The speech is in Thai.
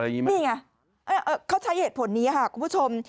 นี่ไงเขาใช้เหตุผลนี้ค่ะคุณผู้ชม